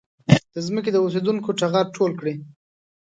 د ځمکې د اوسېدونکو ټغر ټول کړي.